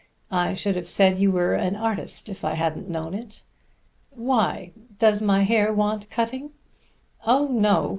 I should have said you were an artist, if I hadn't known it." "Why? Does my hair want cutting?" "Oh, no!